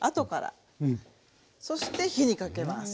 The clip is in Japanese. そして火にかけます。